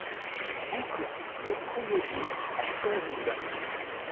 Boucle des Prunelliers à Thionville